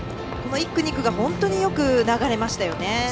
１区、２区が本当によく流れましたよね。